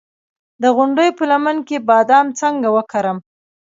د غونډۍ په لمن کې بادام څنګه وکرم؟